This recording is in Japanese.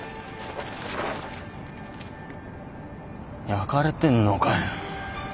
焼かれてんのかよ。